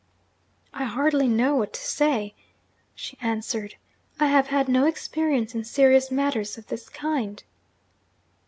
'I hardly know what to say,' she answered. 'I have had no experience in serious matters of this kind.'